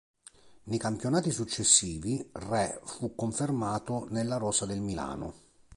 Nei campionati successivi Re fu confermato nella rosa del Milano.